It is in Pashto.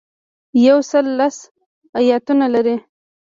یو سل لس ایاتونه لري.